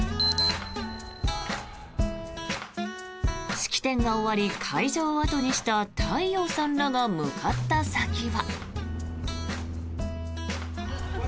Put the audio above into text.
式典が終わり会場を後にした太陽さんらが向かった先は。